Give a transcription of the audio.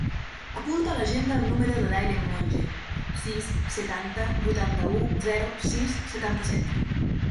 Apunta a l'agenda el número de l'Aylen Monje: sis, setanta, vuitanta-u, zero, sis, setanta-set.